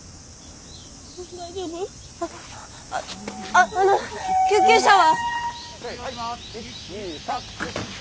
ああの救急車は？